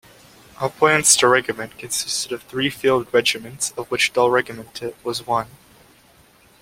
"Upplands storregemente" consisted of three field regiments, of which the "Dalregementet" was one.